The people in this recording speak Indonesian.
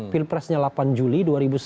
pilpresnya delapan juli dua ribu sembilan belas